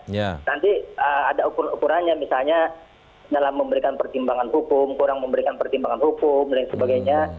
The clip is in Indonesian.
nanti ada ukuran ukurannya misalnya dalam memberikan pertimbangan hukum kurang memberikan pertimbangan hukum dan sebagainya